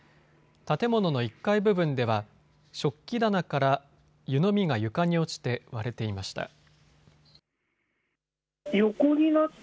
建物の１階部分では食器棚から湯飲みが床に落ちて割れていました。